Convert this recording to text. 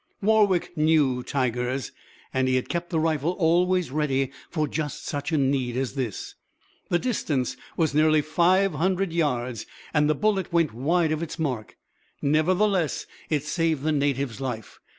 Warwick knew tigers, and he had kept the rifle always ready for just such a need as this. The distance was nearly five hundred yards, and the bullet went wide of its mark. Nevertheless, it saved the native's life.